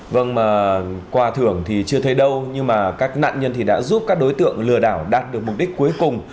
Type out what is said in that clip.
vâng mà quà thưởng thì chưa thấy đâu nhưng mà các nạn nhân thì đã giúp các đối tượng lừa đảo đạt được mục đích cuối cùng